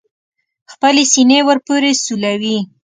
خپلې سینې ور پورې سولوي.